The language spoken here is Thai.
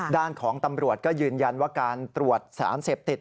ด้านของตำรวจก็ยืนยันว่าการตรวจสารเสพติด